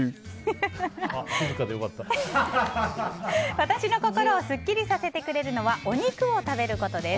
私の心をスッキリさせてくれるのはお肉を食べることです。